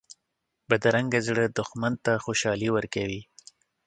بدرنګه زړه دښمن ته خوشحالي ورکوي